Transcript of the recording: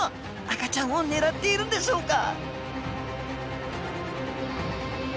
赤ちゃんを狙っているんでしょうか？